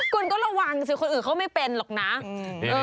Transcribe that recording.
คุณก็ระวังสิคนอื่นเขาไม่เป็นหรอกนะ